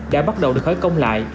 đã bắt đầu được khởi công lại